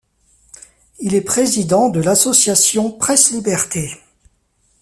Il est président de l’Association Presse-Liberté.